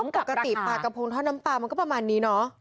ปกติปลากระพงทอดน้ำปลามันก็ประมาณนี้เนอะ